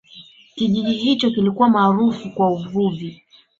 kijiji hicho kilikuwa maarufu kwa uvuvi